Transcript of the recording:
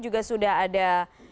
juga sudah ada